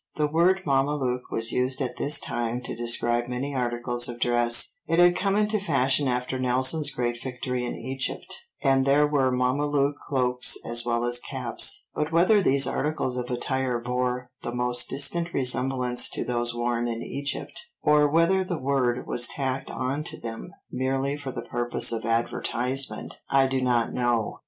The word "mamalouc" was used at this time to describe many articles of dress; it had come into fashion after Nelson's great victory in Egypt, and there were mamalouc cloaks as well as caps, but whether these articles of attire bore the most distant resemblance to those worn in Egypt, or whether the word was tacked on to them merely for the purpose of advertisement, I do not know.